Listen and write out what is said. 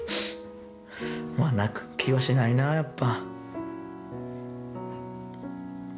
まあ泣く気はしないなあ、やっぱ。